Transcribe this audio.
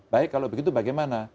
baik kalau begitu bagaimana